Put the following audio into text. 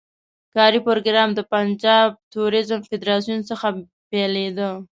کاري پروګرام د پنجاب توریزم فدراسیون څخه پیلېده.